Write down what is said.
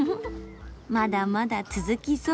まだまだ続きそう。